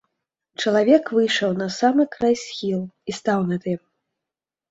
Чалавек выйшаў на самы край схілу і стаў над ім.